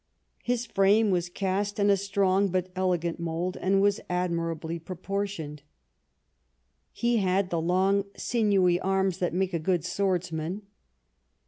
His frame was cast in a strong but elegant mould and was admirably proportioned. He had the long sinewy arras that make a good swordsman.